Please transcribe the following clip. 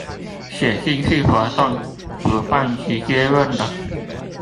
寫信去活動主辦直接問了